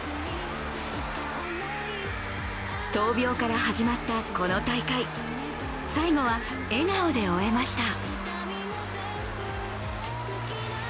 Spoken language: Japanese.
闘病から始まったこの大会、最後は笑顔で終えました。